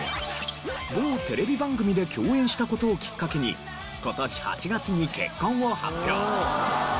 某テレビ番組で共演した事をきっかけに今年８月に結婚を発表。